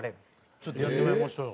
ちょっとやってもらいましょうよ